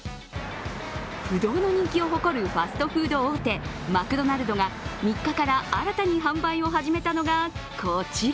不動の人気を誇るファストフード大手、マクドナルドが３日から新たに販売を始めたのがこちら。